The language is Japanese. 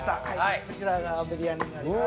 こちらがビリヤニになります。